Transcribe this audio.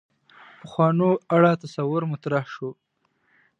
پخوانو اړه تصور مطرح شو.